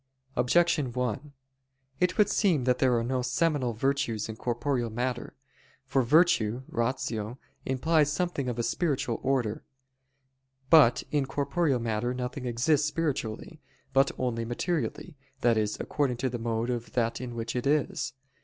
Objection 1: It would seem that there are no seminal virtues in corporeal matter. For virtue (ratio) implies something of a spiritual order. But in corporeal matter nothing exists spiritually, but only materially, that is, according to the mode of that in which it is.